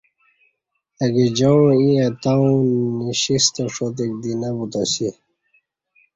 اگجاعں ییں اتاوں نشیستہ ݜاتک دی نہ بوتاسی